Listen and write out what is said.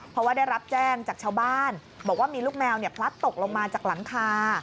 เพราะว่าได้รับแจ้งจากชาวบ้านบอกว่ามีลูกแมวพลัดตกลงมาจากหลังคา